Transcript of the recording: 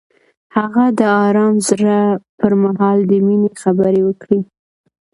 هغه د آرام زړه پر مهال د مینې خبرې وکړې.